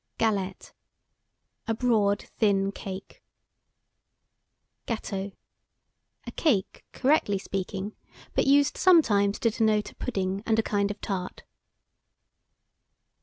GALETTE. A broad thin cake. GÂTEAU. A cake, correctly speaking; but used sometimes to denote a pudding and a kind of tart.